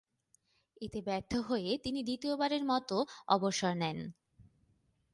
এতে ব্যর্থ হয়ে তিনি দ্বিতীয়বারের মতো অবসর নেন।